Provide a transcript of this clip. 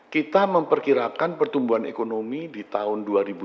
kita memperkirakan pertumbuhan ekonomi di tahun dua ribu dua puluh